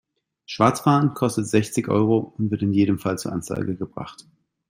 Schwarzfahren kostet sechzig Euro und wird in jedem Fall zur Anzeige gebracht.